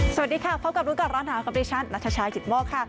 สวัสดีค่ะพบกับรู้กับร้านหาวความติดชันนัทชายหิตมอกค่ะ